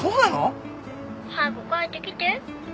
☎早く帰ってきて。